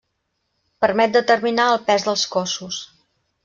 Permet determinar el pes dels cossos.